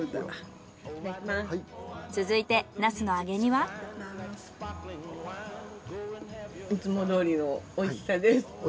続いてナスの揚げ煮は？いつもどおりのおいしさです。